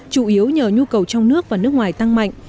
chủ yếu nhờ nhu cầu trong nước và nước ngoài tăng mạnh